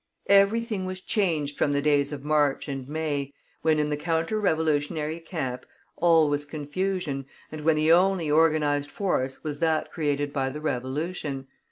Everything was changed from the days of March and May, when, in the counter revolutionary camp, all was confusion, and when the only organized force was that created by the revolution.